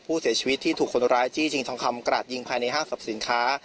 ผู้เสียชีวิตที่ถูกคนร้ายจี้ชิงทองคำกราดยิงภายในห้างสรรพสินค้า